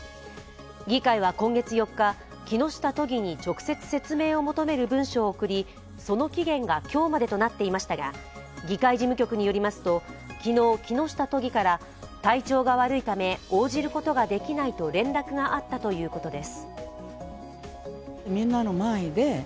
議会は今月４日、木下都議に直接説明を求める文書を送りその期限が今日までとなっていましたが、議会事務局によりますと昨日、木下都議から体調が悪いため応じることができないと連絡があったということです。